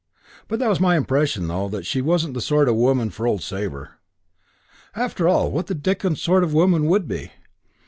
But that was my impression though that she wasn't just the sort of woman for old Sabre. But after all, what the dickens sort of woman would be?